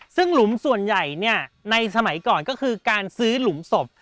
ซึ่งหลุมส่วนใหญ่ในสมัยก่อนก็คือการซื้อหลุมศพ